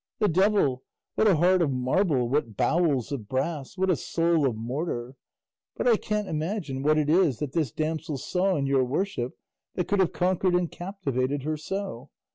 The devil! What a heart of marble, what bowels of brass, what a soul of mortar! But I can't imagine what it is that this damsel saw in your worship that could have conquered and captivated her so.